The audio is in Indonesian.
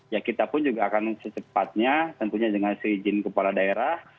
ya kita pun juga akan secepatnya tentunya dengan seizin kepala daerah